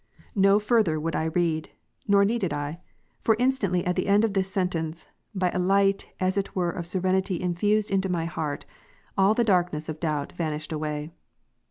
No further would I read ; nor needed I : for instantly at ?•^"^' the end of this sentence, by a light as it were of serenity infused into my heart, all the darkness of doubt vanished away.